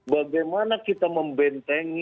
bagaimana kita membentengi